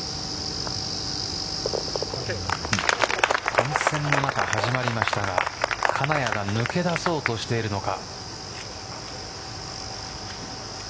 混戦の中始まりましたが金谷が抜け出そうとしているのか。